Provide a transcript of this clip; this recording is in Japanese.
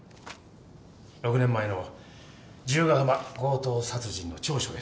６年前の十ヶ浜強盗殺人の調書です。